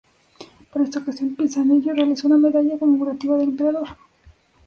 Para esta ocasión, Pisanello realizó una medalla conmemorativa del emperador.